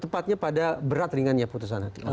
tepatnya pada berat ringannya putusan hakim